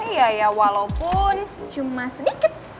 iya ya walaupun cuma sedikit